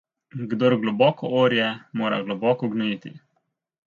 Kdor globoko orje, mora globoko gnojiti.